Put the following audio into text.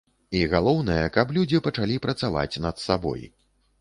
І галоўнае, каб людзі пачалі працаваць над сабой.